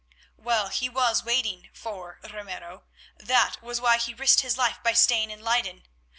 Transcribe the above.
Well, he was waiting for Ramiro. That was why he risked his life by staying in Leyden.